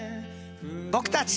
僕たち。